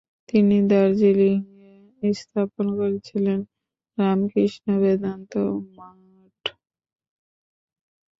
তিনি দার্জিলিঙে স্থাপন করেছিলেন "রামকৃষ্ণ বেদান্ত মঠ"।